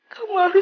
kamu harus bangun